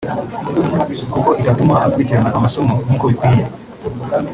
kuko itatuma akurikirana amasomo nkuko bikwiye